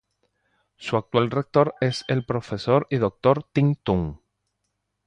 Su actual rector es el profesor y doctor Tin Tun.